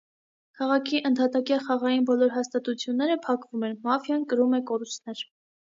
Քաղաքի ընդհատակյա խաղային բոլոր հաստատությունները փակվում են, մաֆիան կրում է կորուստներ։